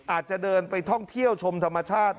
อาจจะเดินไปท่องเที่ยวชมธรรมชาติ